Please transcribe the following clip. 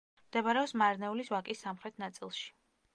მდებარეობს მარნეულის ვაკის სამხრეთ ნაწილში.